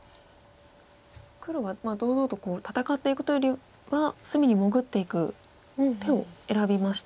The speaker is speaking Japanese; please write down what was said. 黒は堂々と戦っていくというよりは隅に潜っていく手を選びましたか。